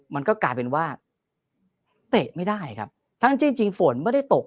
มันก็กลายเป็นว่าเตะไม่ได้ครับทั้งที่จริงฝนไม่ได้ตก